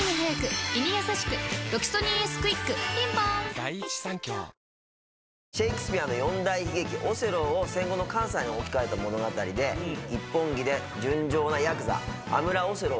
「ロキソニンＳクイック」ピンポーンシェイクスピアの四代悲劇『オセロー』を戦後の関西に置き換えた物語で一本気で純情なヤクザ亜牟蘭オセロと。